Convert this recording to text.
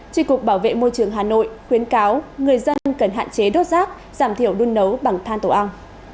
tri cục bảo vệ môi trường hà nội khuyến cáo người dân cần hạn chế đốt rác giảm thiểu đun nấu bằng than tổ ong